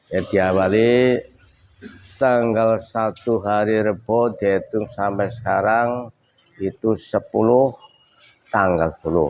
yang diawali tanggal satu hari rebut diatur sampai sekarang itu sepuluh tanggal sepuluh